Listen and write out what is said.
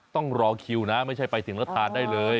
ต้องรอคิวนะไม่ใช่ไปถึงแล้วทานได้เลย